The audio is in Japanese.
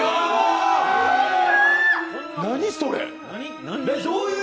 何それ！？